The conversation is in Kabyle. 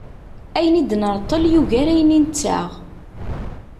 Ayen i d-nreṭṭel yugar ayen i nettaɣ.